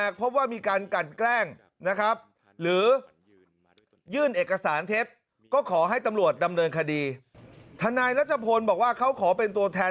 เขาขอให้ตำลวดดำเนินคดีทนายรัฐพลศิษย์บอกว่าเขาขอเป็นตัวแทน